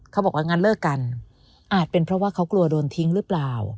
เขาบอกว่างั้นเลิกกันอาจเป็นเพราะว่าเขากลัวโดนทิ้งหรือเปล่า